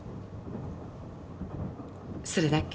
それだけ？